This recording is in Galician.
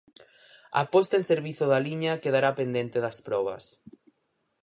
A posta en servizo da liña quedará pendente das probas.